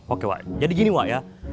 oke wak jadi gini wak ya